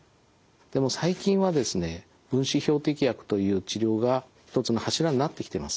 でも最近はですね分子標的薬という治療が１つの柱になってきてます。